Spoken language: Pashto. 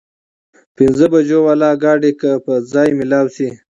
پينځه بجو واله ګاډي کې به ځای مېلاو شي؟